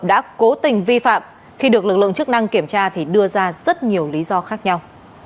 đã cố tình vi phạm khi được lực lượng chức năng kiểm tra thì đưa ra rất nhiều lý do khác nhau